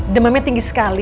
demamnya tinggi sekali